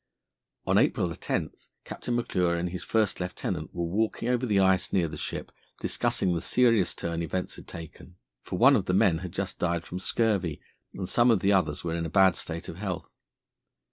On April 10, Captain McClure and his first lieutenant were walking over the ice near the ship, discussing the serious turn events had taken, for one of the men had just died from scurvy, and some of the others were in a bad state of health.